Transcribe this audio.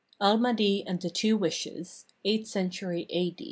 AL MAHDI AND THE TWO WISHES [Eighth century a.